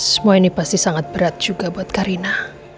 semua ini pasti sangat berat juga buat karina